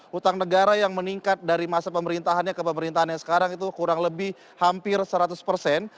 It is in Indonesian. hutang negara yang meningkat dari masa pemerintahannya ke pemerintahan yang sekarang itu kurang lebih hampir seratus persen